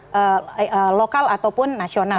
di media lokal ataupun nasional